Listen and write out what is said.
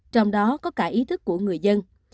trong đó có cả ý thức của người dân